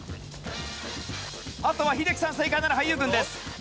あとは英樹さん正解なら俳優軍です。